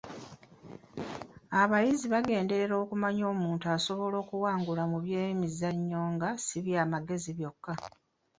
Abayizi bagenderera okumanya omuntu asobola okuwangula mu by'emizannyo nga si by'amagezi byokka.